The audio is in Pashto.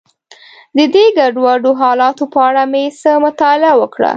د دې ګډوډو حالاتو په اړه مې څه مطالعه وکړه.